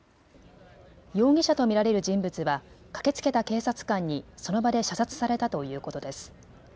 容疑者と見られる人物は駆けつけた警察官にその場で射殺されたということです。